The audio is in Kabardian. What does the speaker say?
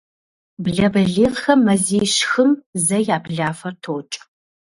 Блэ балигъхэм мазищ-хым зэ я блафэр токӏ.